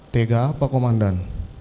tega apa komandan